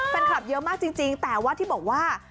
แฟนคลับเยอะมากจริงแต่ว่าที่บอกว่า